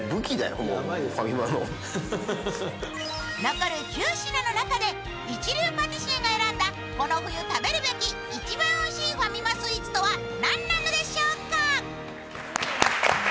残る９品の中で一流パティシエが選んだこの冬食べるべき一番おいしいファミマスイーツとは何でしょうか。